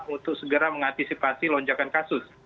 untuk segera mengantisipasi lonjakan kasus